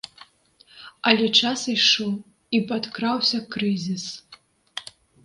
Але час ішоў і падкраўся крызіс.